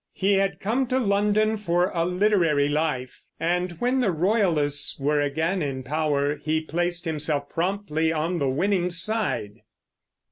He had come to London for a literary life, and when the Royalists were again in power he placed himself promptly on the winning side.